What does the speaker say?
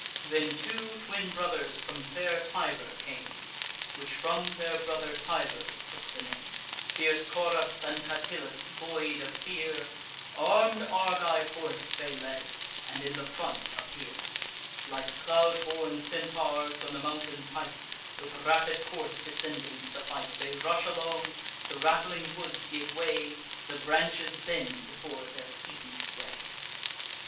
Then two twin brothers from fair Tibur came, (Which from their brother Tiburs took the name,) Fierce Coras and Catillus, void of fear: Arm'd Argive horse they led, and in the front appear. Like cloud born Centaurs, from the mountain's height With rapid course descending to the fight; They rush along; the rattling woods give way; The branches bend before their sweepy sway.